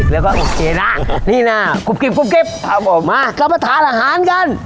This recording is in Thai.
แล้วก็นี่น่ะกุบกิบกุบกิบครับผมมากลับมาทานอาหารกัน